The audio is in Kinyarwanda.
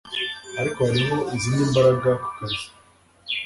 ariko hariho izindi mbaraga kukazi